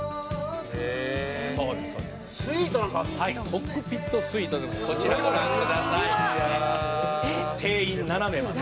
「コックピットスイートこちらご覧ください」「定員７名まで」